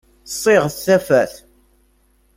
Ssiɣet tafat!